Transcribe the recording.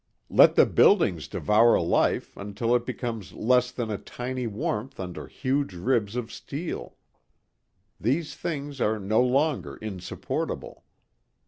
Let the buildings devour life until it becomes less than a tiny warmth under huge ribs of steel. These things are no longer insupportable.